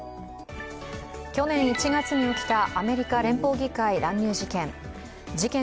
去年１月に起きたアメリカ連邦議会乱入事件。